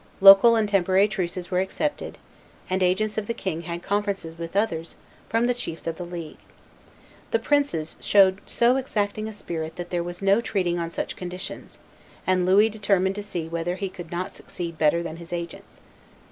Local and temporary truces were accepted, and agents of the king had conferences with others from the chiefs of the League. The princes showed so exacting a spirit that there was no treating on such conditions; and Louis determined to see whether he could not succeed better than his agents.